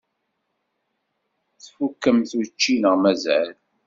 Tfukkemt učči neɣ mazal?